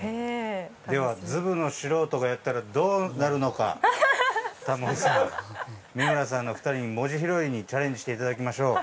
ではズブの素人がやったらどうなるのかタモリさん美村さんの２人に文字拾いにチャレンジして頂きましょう。